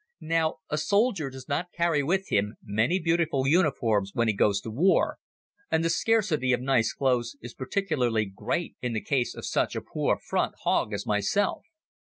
Now, a soldier does not carry with him many beautiful uniforms when he goes to war and the scarcity of nice clothes is particularly great in the case of such a poor front hog as myself.